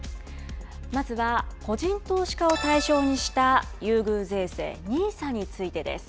まずは個人投資家を対象にした優遇税制ＮＩＳＡについてです。